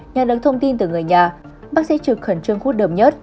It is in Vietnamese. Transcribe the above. nhà đứng thông tin từ người nhà bác sĩ trực khẩn trương khuất đầm nhất